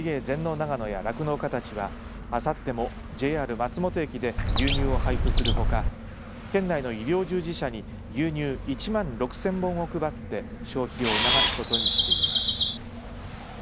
長野や酪農家たちはあさってもＪＲ松本駅で牛乳を配布するほか県内の医療従事者に牛乳１万６０００本を配って消費を促すことにしています。